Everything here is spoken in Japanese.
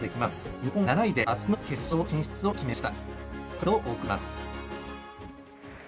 日本は７位であすの決勝進出を決めました。